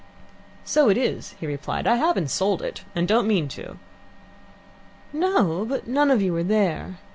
"So it is," he replied. "I haven't sold it, and don't mean to." "No; but none of you are there."